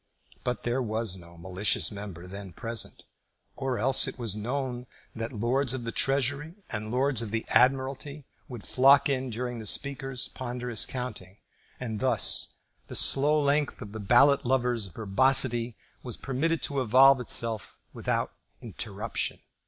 But there was no malicious member then present, or else it was known that Lords of the Treasury and Lords of the Admiralty would flock in during the Speaker's ponderous counting, and thus the slow length of the ballot lover's verbosity was permitted to evolve itself without interruption.